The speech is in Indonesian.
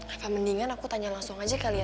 apa mendingan aku tanya langsung aja kali ya